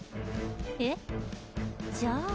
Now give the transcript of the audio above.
えっじゃあ？